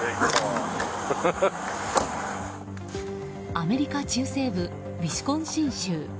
アメリカ中西部ウィスコンシン州。